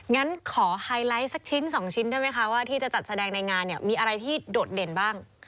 งั้นขอไฮไลท์สักชิ้น๒ชิ้นได้ไหมคะว่าที่จะจัดแสดงในงานเนี่ยมีอะไรที่โดดเด่นบ้าง